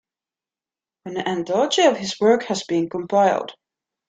An anthology of his work has been compiled.